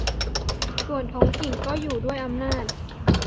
ส่วนท้องถิ่นก็อยู่ด้วยอำนาจ